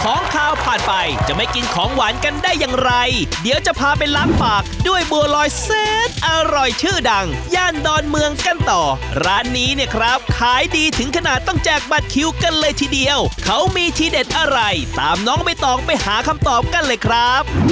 ข่าวผ่านไปจะไม่กินของหวานกันได้อย่างไรเดี๋ยวจะพาไปล้างปากด้วยบัวลอยแสนอร่อยชื่อดังย่านดอนเมืองกันต่อร้านนี้เนี่ยครับขายดีถึงขนาดต้องแจกบัตรคิวกันเลยทีเดียวเขามีทีเด็ดอะไรตามน้องใบตองไปหาคำตอบกันเลยครับ